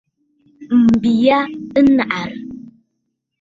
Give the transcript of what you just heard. M̀bi ya ɨ nàʼàrə̀.